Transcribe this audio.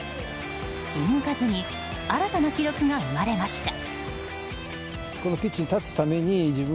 キングカズに新たな記録が生まれました。